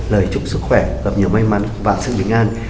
lời chúc sức khỏe gặp nhiều may mắn và sự bình an